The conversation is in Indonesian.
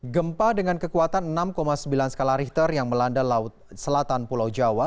gempa dengan kekuatan enam sembilan skala richter yang melanda laut selatan pulau jawa